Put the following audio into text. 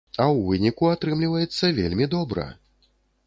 А ў выніку атрымліваецца вельмі добра!